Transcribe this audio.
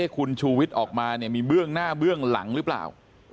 คุณชูวิทย์ออกมาเนี่ยมีเบื้องหน้าเบื้องหลังหรือเปล่า